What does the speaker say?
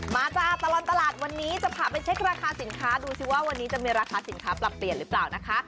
จ้าตลอดตลาดวันนี้จะพาไปเช็คราคาสินค้าดูสิว่าวันนี้จะมีราคาสินค้าปรับเปลี่ยนหรือเปล่านะคะ